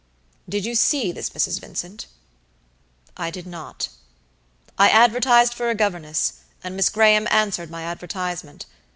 "Did you see this Mrs. Vincent?" "I did not. I advertised for a governess, and Miss Graham answered my advertisement.